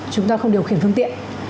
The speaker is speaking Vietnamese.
chúng ta không điều khiển phương tiện